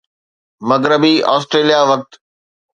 مغربي آسٽريليا وقت